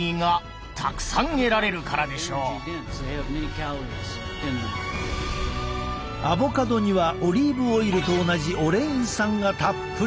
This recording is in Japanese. アボカドにはオリーブオイルと同じオレイン酸がたっぷり！